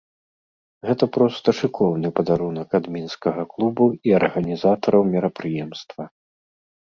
Гэта проста шыкоўны падарунак ад мінскага клубу і арганізатараў мерапрыемства.